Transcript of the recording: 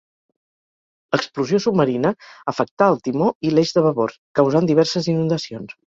L'explosió submarina afectà el timó i l'eix de babord, causant diverses inundacions.